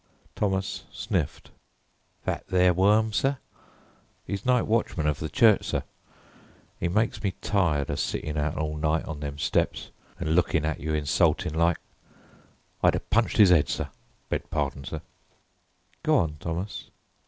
Thomas sniffed. "That there worm, sir? 'Es night watchman of the church, sir. 'E maikes me tired a sittin' out all night on them steps and lookin' at you insultin' like. I'd a punched 'is 'ed, sir beg pardon, sir " "Go on, Thomas."